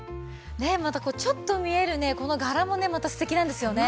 またこれちょっと見えるねこの柄もねまた素敵なんですよね。